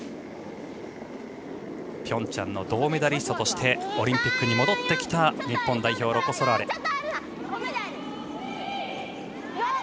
ピョンチャンの銅メダリストとしてオリンピックに戻ってきた日本代表、ロコ・ソラーレ。